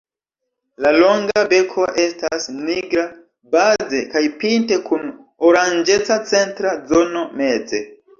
La longa beko estas nigra baze kaj pinte kun oranĝeca centra zono meze.